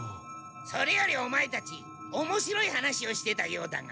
それよりオマエたちおもしろい話をしてたようだが。